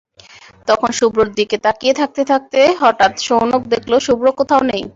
এখন শুভ্রর দিকে তাকিয়ে থাকতে থাকতে হঠাত্ শৌনক দেখল, শুভ্র কোথাও নেই।